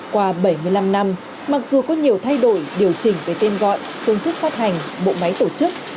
qua bảy mươi năm năm mặc dù có nhiều thay đổi điều chỉnh về tên gọi phương thức phát hành bộ máy tổ chức